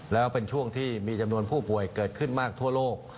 แล้วเป็นช่วงที่มีจำนวนผู้ป่วยเกิดขึ้นมากทั่วโลก